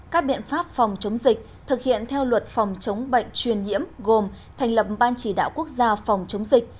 các biện pháp phòng chống dịch thực hiện theo luật phòng chống bệnh truyền nhiễm gồm thành lập ban chỉ đạo quốc gia phòng chống dịch